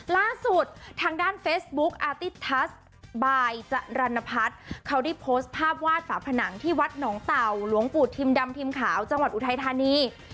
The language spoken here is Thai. ล่าสุดทางด้านเฟซบุ๊กอาติทัศน์บายจรรณพัฒน์เขาได้โพสต์ภาพวาดฝาผนังที่วัดหนองเต่าหลวงปู่ทิมดำทีมขาวจังหวัดอุทัยธานี